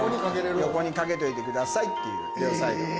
横にかけといてくださいっていう両サイド。